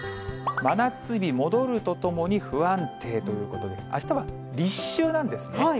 真夏日戻るとともに不安定ということで、あしたは立秋なんですね。